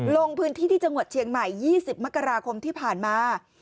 ลงพื้นที่ที่จังหวัดเชียงใหม่๒๐มกราคมที่ผ่านมา